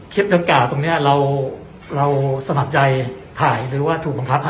ดังกล่าวตรงนี้เราสมัครใจถ่ายหรือว่าถูกบังคับ